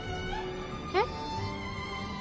えっ？